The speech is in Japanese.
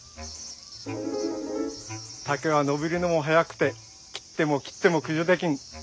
竹はのびるのもはやくて切っても切ってもくじょできん。